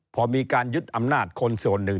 พอมีการยึดอำนาจคนส่วนหนึ่ง